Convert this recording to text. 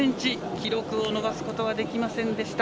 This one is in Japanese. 記録を伸ばすことはできませんでした。